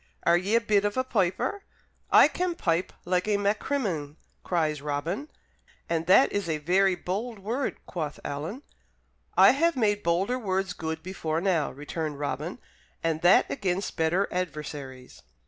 Are ye a bit of a piper?" "I can pipe like a Maccrimmon!" cries Robin. "And that is a very bold word," quoth Alan. "I have made bolder words good before now," returned Robin, "and that against better adversaries."